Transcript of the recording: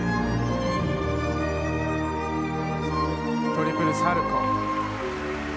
トリプルサルコウ。